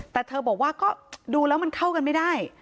แต่เธอบอกว่าก็ดูแล้วมันเข้ากันไม่ได้